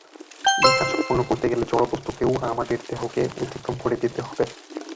এই কাজ সম্পন্ন করতে গেলে জড় বস্তুকে ও আমাদের দেহকে অতিক্রম করে যেতে হবে।